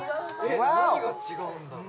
何が違うんだろう